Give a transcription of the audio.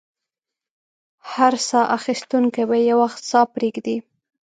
هر ساه اخیستونکی به یو وخت ساه پرېږدي.